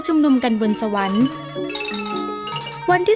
สงกรานภาคใต้